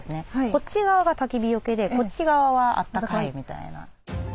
こっち側がたき火よけでこっち側はあったかいみたいな。